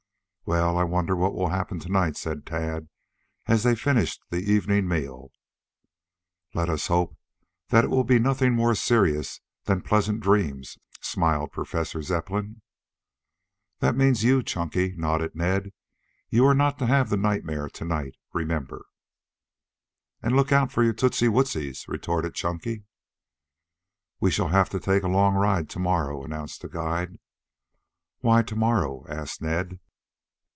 "Well, I wonder what will happen to night," said Tad, as they finished the evening meal. "Let us hope that it will be nothing more serious than pleasant dreams," smiled Professor Zepplin. "That means you, Chunky," nodded Ned. "You are not to have the nightmare to night, remember." "And you look out for your tootsie wootsies," retorted Chunky. "We shall have to take a long ride to morrow," announced the guide. "Why to morrow?" asked Ned.